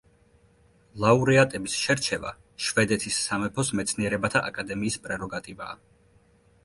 ლაურეატების შერჩევა შვედეთის სამეფოს მეცნიერებათა აკადემიის პრეროგატივაა.